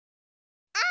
あ。